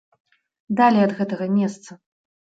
Далей ад гэтага месца!